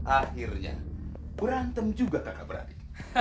akhirnya berantem juga kakak beradik